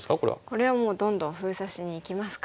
これはもうどんどん封鎖しにいきますか。